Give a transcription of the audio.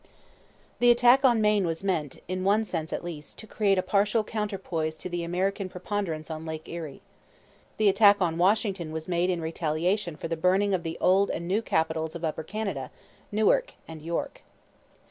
The attack on Maine was meant, in one sense at least, to create a partial counterpoise to the American preponderance on Lake Erie. The attack on Washington was made in retaliation for the burning of the old and new capitals of Upper Canada, Newark and York.